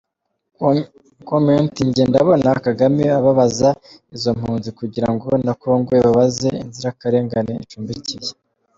Comment:njye ndabona kagame ababaza izo mpunzi kugirango na kongo ibabaze inzirakarengane icumbikiye!